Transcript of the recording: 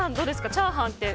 チャーハンって。